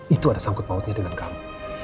itu ada sangkut mautnya dengan kamu